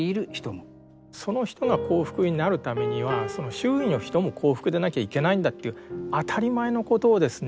その人が幸福になるためには周囲の人も幸福でなきゃいけないんだという当たり前のことをですね。